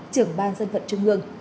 trưởng ban dân vận trung ương